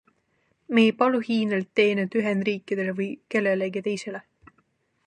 Me ei palu Hiinalt teenet Ühendriikidele või kellelegi teisele.